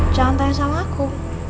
jangan tanya sama aku